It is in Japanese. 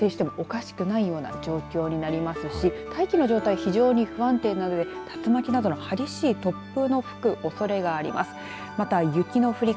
雷雲、どこで発生してもおかしくないような状況になりますし大気の状態非常に不安定なので竜巻などの激しい突風の吹くおそれがあります。